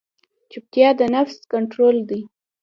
چپتیا، د نفس کنټرول دی.